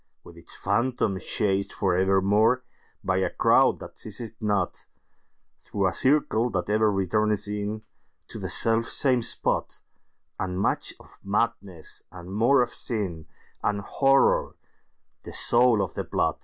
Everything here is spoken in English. With its Phantom chased for evermore, By a crowd that seize it not, Through a circle that ever returneth inTo the self same spot, And much of Madness, and more of Sin, And Horror the soul of the plot.